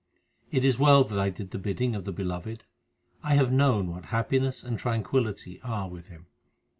It is well that I did the bidding of the Beloved ; I have known what happiness and tranquillity are with Him.